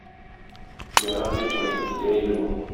Ярар, дип кайтып китә инде бу.